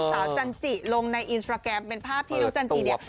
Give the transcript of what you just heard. จันจิลงในอินสตราแกรมเป็นภาพที่น้องจันจิเนี่ย